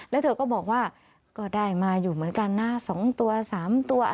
แล้วเธอก็บอกว่าก็ได้มาอยู่เหมือนกันนะ๒ตัว๓ตัว